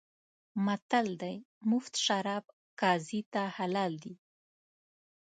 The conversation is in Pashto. متل دی: مفت شراب قاضي ته حلال دي.